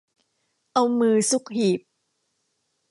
เอามือซุกหีบ